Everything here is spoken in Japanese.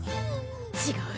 違う！